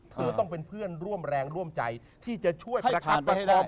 เธอต้องเป็นเพื่อนร่วมแรงร่วมใจที่จะช่วยประกาศแวดล้อม